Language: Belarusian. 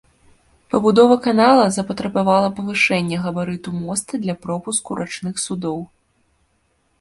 Пабудова канала запатрабавала павышэння габарыту моста для пропуску рачных судоў.